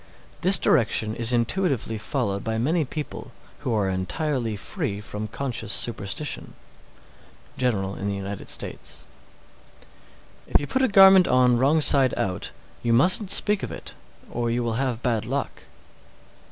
This direction is intuitively followed by many people who are entirely free from conscious superstition. General in the United States. 623. If you put a garment on wrong side out, you mustn't speak of it, or you will have bad luck.